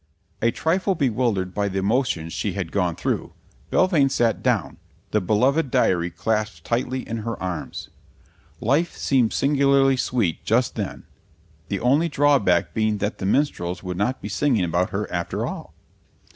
A trifle bewildered by the emotions she had gone through, Belvane sat down, the beloved diary clasped tightly in her arms. Life seemed singularly sweet just then, the only drawback being that the minstrels would not be singing about her after all.